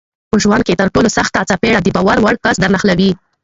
په ژوند کې ترټولو سخته څپېړه دباور وړ کس درنښلوي